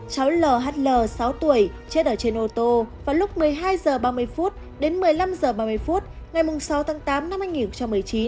cháu lhl sáu tuổi chết ở trên ô tô vào lúc một mươi hai h ba mươi đến một mươi năm h ba mươi phút ngày sáu tháng tám năm hai nghìn một mươi chín